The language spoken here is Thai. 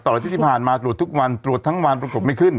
อาทิตย์ที่ผ่านมาตรวจทุกวันตรวจทั้งวันปรากฏไม่ขึ้น